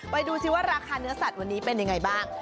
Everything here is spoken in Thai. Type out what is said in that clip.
ดูสิว่าราคาเนื้อสัตว์วันนี้เป็นยังไงบ้าง